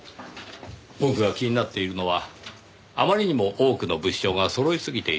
僕が気になっているのはあまりにも多くの物証がそろいすぎている点です。